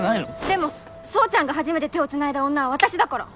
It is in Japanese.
でも宗ちゃんが初めて手をつないだ女は私だから！